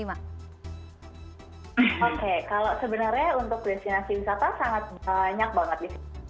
oke kalau sebenarnya untuk destinasi wisata sangat banyak banget